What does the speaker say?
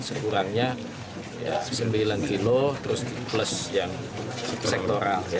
sekurangnya sembilan km plus yang sektoral